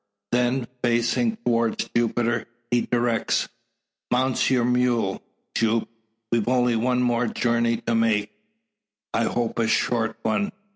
Then, facing towards Jupiter, he directs: "Mount your mule, Jupe. We've only one more journey to make; I hope a short one.